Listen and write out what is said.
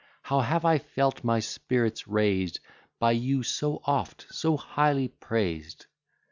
How have I felt my spirits raised, By you so oft, so highly praised!